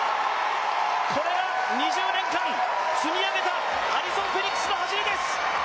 これが２０年間、積み上げたアリソン・フェリックスの走りです。